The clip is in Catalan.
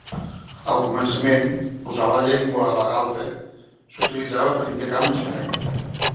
Al començament, posar la llengua en la galta s'utilitzava per indicar menyspreu.